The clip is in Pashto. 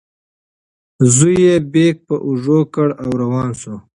زوی یې بیک په اوږه کړ او روان شو.